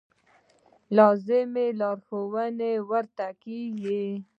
لازمې لارښوونې ورته کېږي.